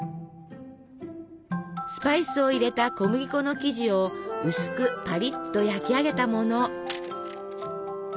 スパイスを入れた小麦粉の生地を薄くパリッと焼き上げたもの。